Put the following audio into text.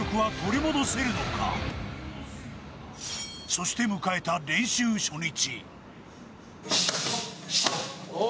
そして迎えた練習初日。